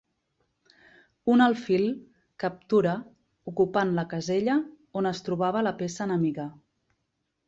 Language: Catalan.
Un alfil captura ocupant la casella on es trobava la peça enemiga.